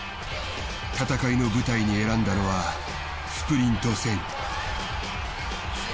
戦いの舞台に選んだのはスプリント戦。